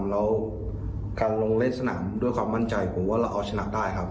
แล้วการลงเล่นสนามด้วยความมั่นใจผมว่าเราเอาชนะได้ครับ